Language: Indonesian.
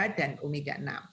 dan omega enam